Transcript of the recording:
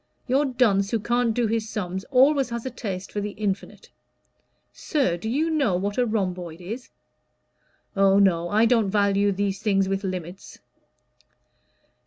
Your dunce who can't do his sums always has a taste for the infinite. Sir, do you know what a rhomboid is? Oh, no, I don't value these things with limits.